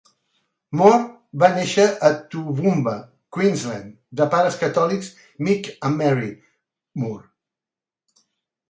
Moore va néixer a Toowoomba, Queensland, de pares catòlics Mick i Mary Moore.